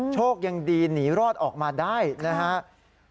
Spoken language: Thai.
โชคยังดีหนีรอดออกมาได้นะครับ